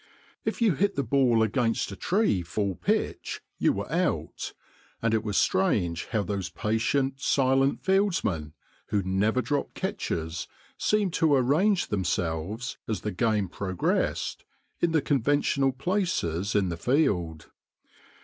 If you hit the ball against a tree full pitch, you were out, and it was strange how those patient, silent fieldsmen, who never dropped catches, seemed to arrange themselves, as the game progressed, in the conventional places in the field.